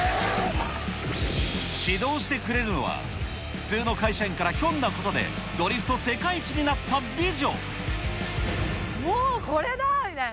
指導してくれるのは、普通の会社員からひょんなことでドリフト世界一になった美女。